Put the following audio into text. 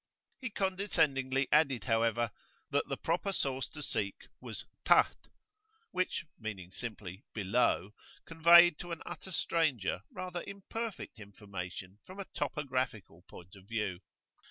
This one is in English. He condescendingly added, however, that the proper source to seek was "Taht," which, meaning simply "below," conveyed to an utter stranger rather imperfect information from a topographical point of view.